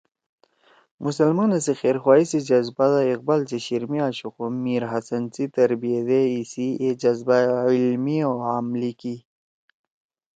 مسلمانا سی خیرخواہی سی جزبہ دا اقبال سی شیِر می آشُو خو میرحسن سی تربیت ئے ایِسی اے جزبہ علمی او عملی کی